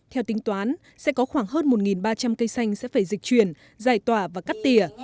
theo tính toán sẽ có khoảng hơn một ba trăm linh cây xanh sẽ phải dịch chuyển giải tỏa và cắt tỉa